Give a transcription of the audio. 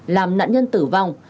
làm nạn nhân tử vong